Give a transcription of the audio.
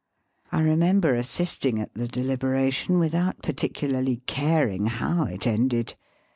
I remember assisting at the deliberation without particularly caring how it ended.